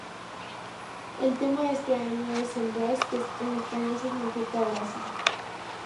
El tema de este año es "Embrace", que en español significa ""Abraza"".